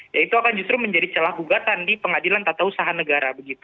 ya itu akan justru menjadi celah gugatan di pengadilan tata usaha negara